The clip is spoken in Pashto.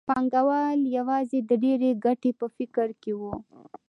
پانګوال یوازې د ډېرې ګټې په فکر کې وو